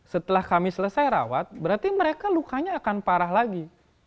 setelah kami selesai rawat berarti mereka lukanya akan parah lagi